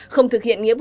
từ năm tỷ đồng